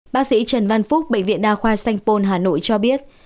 bác sĩ trần văn phúc bệnh viện đa khoa sanh pôn hà nội cho biết